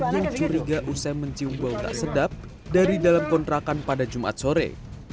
yang curiga usai mencium bau tak sedap dari dalam kontrakan pada jumat sore